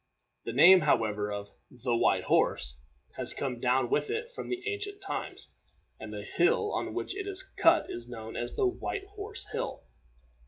The name, however, of The White Horse has come down with it from ancient times, and the hill on which it is cut is known as The White Horse Hill.